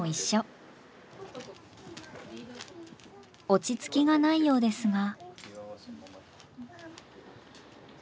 落ち着きがないようですが。